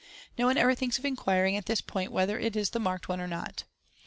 No one ever thinks of inquiring at this point whether it is the marked one or not.